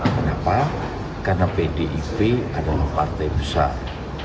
kenapa karena pdip adalah partai besar